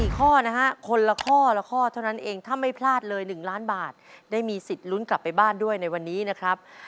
๔ข้อนะฮะคนละข้อละข้อเท่านั้นเองถ้าไม่พลาดเลย๑ล้านบาทได้มีสิทธิ์ลุ้นกลับไปบ้านด้วยในวันนี้นะครับ